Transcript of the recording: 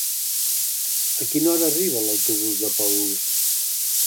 A quina hora arriba l'autobús de Paüls?